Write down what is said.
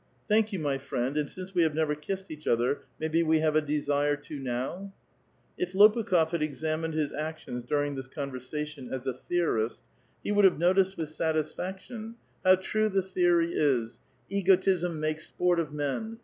" Thank you, my friend. 'A.Dd since we have never kissed each other, maybe we have ^ desire to now ?" If Lopukh6f had examined his actions during this con YersatioD, as a theorist, he would have noticed with satisfac^ .264 A VITAL QUESTION. tlon :" How true the theory is, Egotism makes sport of men.